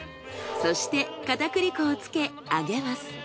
そして片栗粉をつけ揚げます。